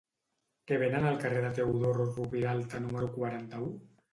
Què venen al carrer de Teodor Roviralta número quaranta-u?